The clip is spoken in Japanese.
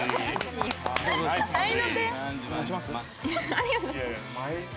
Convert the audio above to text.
ありがとうございます。